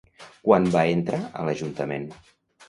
Quan va entrar a l'ajuntament?